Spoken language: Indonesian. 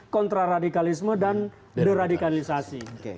kontraradikalisme dan deradikalisasi